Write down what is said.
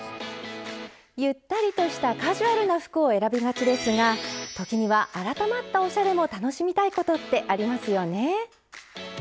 ゆったりとしたカジュアルな服を選びがちですが時には改まったおしゃれも楽しみたいことってありますよね。